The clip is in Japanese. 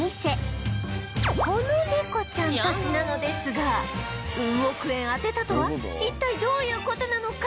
この猫ちゃんたちなのですがウン億円当てたとは一体どういう事なのか？